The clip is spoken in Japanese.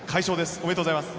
おめでとうございます。